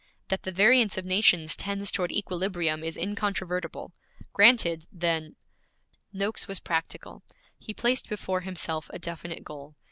That the variance of nations tends toward equilibrium is incontrovertible. Granted then ' Noakes was practical. He placed before himself a definite goal.